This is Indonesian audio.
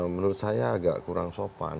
menurut saya agak kurang sopan